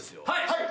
はい！